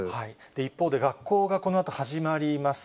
一方で、学校がこのあと始まります。